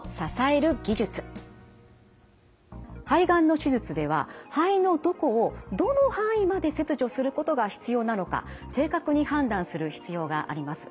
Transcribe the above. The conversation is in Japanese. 肺がんの手術では肺のどこをどの範囲まで切除することが必要なのか正確に判断する必要があります。